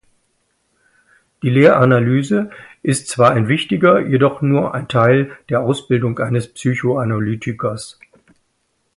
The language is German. Die Lehranalyse ist zwar ein wichtiger, jedoch nur ein Teil der Ausbildung eines Psychoanalytikers.